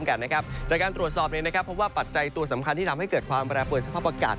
จากการตรวจสอบเพราะว่าปัจจัยตัวสำคัญที่ทำให้เกิดความแปรปวนสภาพอากาศ